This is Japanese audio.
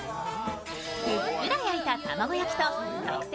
ふっくら焼いた卵焼き特製